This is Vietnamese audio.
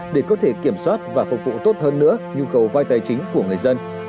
để có thể kiểm soát và phục vụ tốt hơn nữa nhu cầu vai tài chính của người dân